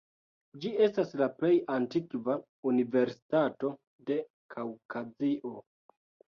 Ĝi estas la plej antikva universitato de Kaŭkazio.